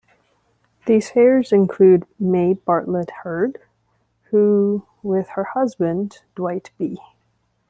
These heirs included Maie Bartlett Heard, who with her husband Dwight B.